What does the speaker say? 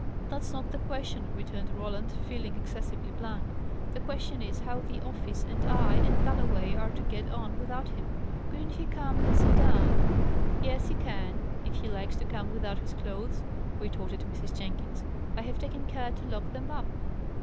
"That's not the question," returned Roland, feeling excessively blank. "The question is, how the office, and I, and Galloway are to get on without him? Couldn't he come in a sedan?" "Yes, he can; if he likes to come without his clothes," retorted Mrs. Jenkins. "I have taken care to lock them up."